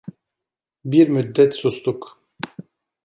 Bir müddet sustuk.